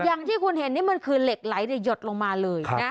อย่างที่คุณเห็นนี่มันคือเหล็กไหลหยดลงมาเลยนะ